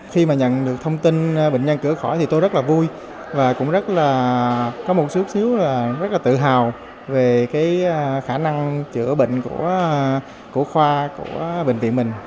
khi mà nhận được thông tin bệnh nhân chữa khỏi thì tôi rất là vui và cũng rất là có một xíu xíu là rất là tự hào về cái khả năng chữa bệnh của khoa của bệnh viện mình